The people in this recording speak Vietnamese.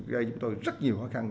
gây cho chúng tôi rất nhiều khó khăn